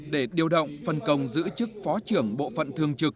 để điều động phân công giữ chức phó trưởng bộ phận thường trực